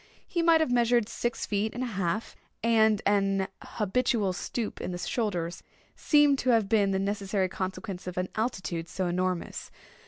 He might have measured six feet and a half, and an habitual stoop in the shoulders seemed to have been the necessary consequence of an altitude so enormous.